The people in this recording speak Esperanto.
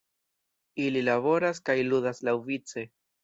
Ili laboras kaj ludas laŭvice.